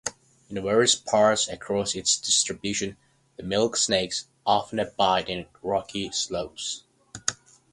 In various parts across its distribution, milk snakes often abide in rocky slopes.